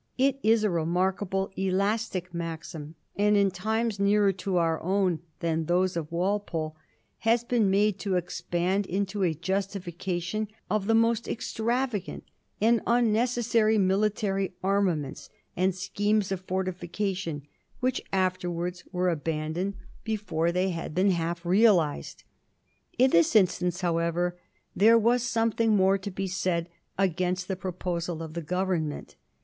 It is a remarkably elastic maxim, and in times nearer to our own than those of Walpole has been made to expand into a justification of the most extravagant and unnecessary military armaments, and of schemes of fortification which afterwards were abandoned before they had Digiti zed by Google 384 A HISTORY OF THE FOUR GEORGES. ch. m^ been half realised. In this instance, however, there was something more to be said against the pro posal of the Government.